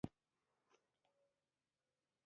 د زړه و زړه لار ده.